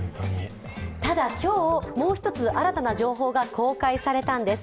ただ今日、もう一つ新たな情報が公開されたんです。